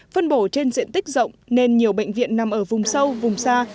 phân bổ trên diện tích rộng nên nhiều bệnh viện nằm ở vùng sâu vùng xa